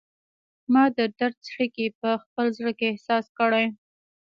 ما د درد څړیکې په خپل زړه کې احساس کړي